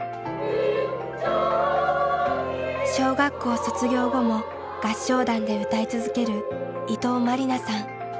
小学校卒業後も合唱団で歌い続ける伊藤万里奈さん。